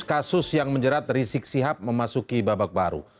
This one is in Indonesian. kasus yang menjerat rizik sihab memasuki babak baru